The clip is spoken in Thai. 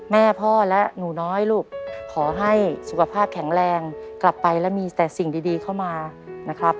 แม่พ่อและหนูน้อยลูกขอให้สุขภาพแข็งแรงกลับไปแล้วมีแต่สิ่งดีเข้ามานะครับ